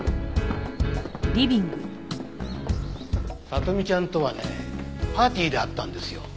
聡美ちゃんとはねパーティーで会ったんですよ。